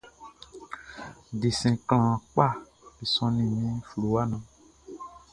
Desɛn klanhan kpaʼm be sɔnnin min fluwaʼn nun.